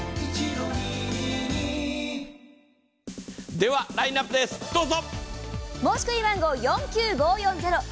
では、ラインナップです、どうぞ。